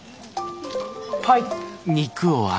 はい。